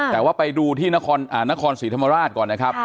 แต่ว่าไปดูที่นครศรีธรรมราชก่อนนะครับ